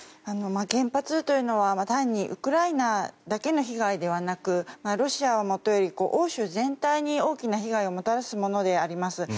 原発というのは単にウクライナだけの被害ではなくロシアはもとより欧州全体に大きな被害をもたらすものであります。